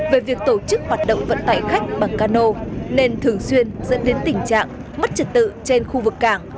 về việc tổ chức hoạt động vận tải khách bằng cano nên thường xuyên dẫn đến tình trạng mất trật tự trên khu vực cảng